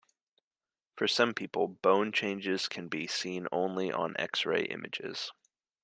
For some people, bone changes can be seen only on X-ray images.